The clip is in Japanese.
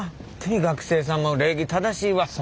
見て学生さんも礼儀正しいわ。